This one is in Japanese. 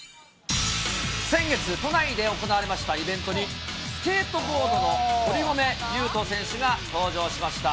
先月、都内で行われましたイベントに、スケートボードの堀米雄斗選手が登場しました。